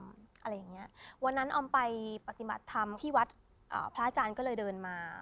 อะไรอย่างเงี้ยวันนั้นออมไปปฏิบัติธรรมที่วัดอ่าพระอาจารย์ก็เลยเดินมา